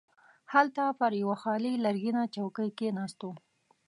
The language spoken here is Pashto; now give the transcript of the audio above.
هلته پر یوه خالي لرګینه چوکۍ کښیناستو.